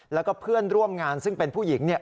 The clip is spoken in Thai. แล้วก็เพื่อนร่วมงานซึ่งเป็นผู้หญิงเนี่ย